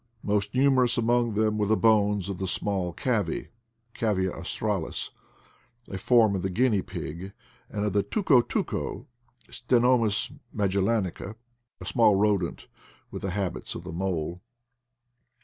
Most numerous amdng them were the bones of the small cavy (Cavia australis), a form of the guinea pig; and of the tuco tuco 38 IDLE DAYS IN PATAGONIA (Ctenomys magellanica), a small rodent with the habits of the mole.